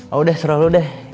oh udah serah lo deh